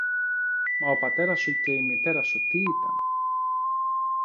Μα ο πατέρας σου και η μητέρα σου τι ήταν;